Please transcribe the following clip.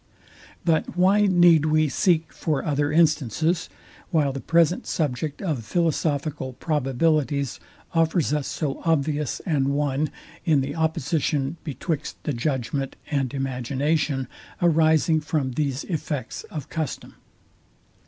But why need we seek for other instances, while the present subject of philosophical probabilities offers us so obvious an one, in the opposition betwixt the judgment and imagination arising from these effects of custom?